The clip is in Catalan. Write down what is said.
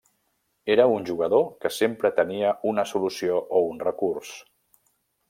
Era un jugador que sempre tenia una solució o un recurs.